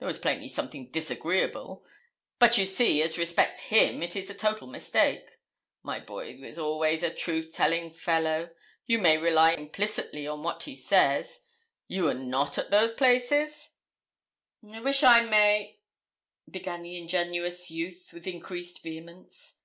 There was plainly something disagreeable; but you see as respects him it is a total mistake. My boy was always a truth telling fellow you may rely implicitly on what he says. You were not at those places?' 'I wish I may ,' began the ingenuous youth, with increased vehemence.